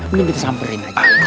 mending kita samperin aja